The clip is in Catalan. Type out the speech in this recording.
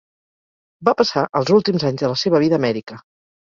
Va passar els últims anys de la seva vida a Amèrica.